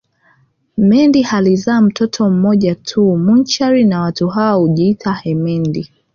Mendi alizaa mtoto mmoja tu Munchari na watu hawa hujiitia emendi